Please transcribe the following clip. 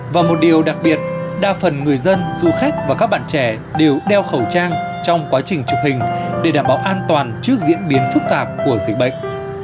và một điều đặc biệt đa phần người dân du khách và các bạn trẻ đều đeo khẩu trang trong quá trình chụp hình để đảm bảo an toàn trước diễn biến phức tạp của dịch bệnh